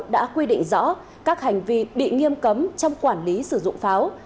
đã quy định rõ các hành vi bị nghiêm cấm trong quản lý sử dụng pháo